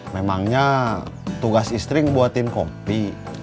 memangnya tugas istri buatin kopi